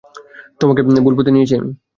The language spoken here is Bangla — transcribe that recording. তোমাকে ভুল পথে নিয়েছি আমি।